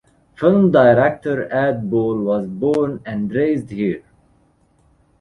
Film Director Ad Bol was born and raised here.